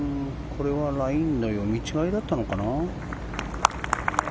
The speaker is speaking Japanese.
これはラインの読み違えだったのかな？